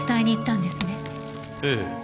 ええ。